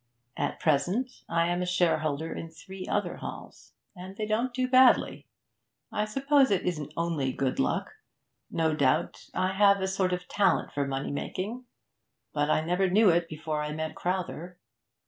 At present I am a shareholder in three other halls, and they don't do badly. 'I suppose it isn't only good luck; no doubt I have a sort of talent for money making, but I never knew it before I met Crowther.